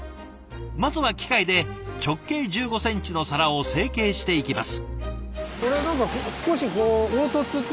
まずは機械で直径１５ｃｍの皿を成形していきます。